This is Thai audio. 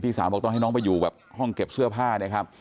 สาวบอกต้องให้น้องไปอยู่แบบห้องเก็บเสื้อผ้านะครับ